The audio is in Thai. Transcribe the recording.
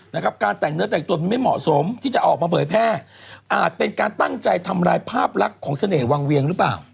นะครับการแต่งเนื้อแต่งตัวมันไม่เหมาะสมที่จะออกมาเผยแพร่อาจเป็นการตั้งใจทำลายภาพลักษณ์ของเสน่หวังเวียงหรือเปล่า